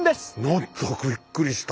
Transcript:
何びっくりした！